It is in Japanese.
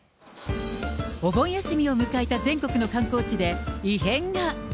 お盆休みを迎えた全国の観光地で異変が。